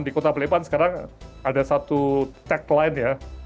di kota balai papan sekarang ada satu tagline ya